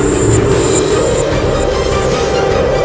pasti dia bersembunyi di istananya